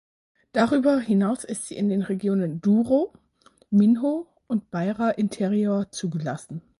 Darüber hinaus ist sie in den Regionen Douro, Minho und Beira Interior zugelassen.